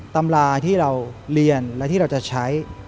ตำราที่เราเรียนและที่เราจะใช้